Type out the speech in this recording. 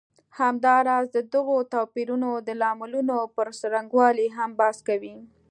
همداراز د دغو توپیرونو د لاملونو پر څرنګوالي هم بحث کوي.